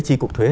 chi cục thuế